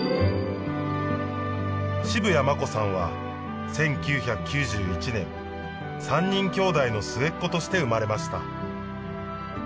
渋谷真子さんは１９９１年３人きょうだいの末っ子として生まれました